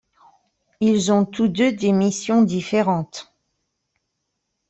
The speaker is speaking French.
Ils ont tous deux des missions différentes.